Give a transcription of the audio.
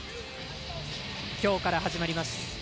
きょうから始まります